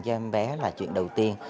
cho em bé là chuyện đầu tiên